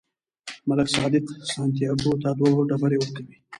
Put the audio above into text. ملک صادق سانتیاګو ته دوه ډبرې ورکوي.